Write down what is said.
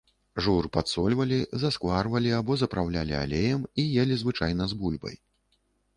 Жур падсольвалі, заскварвалі або запраўлялі алеем і елі звычайна з бульбай.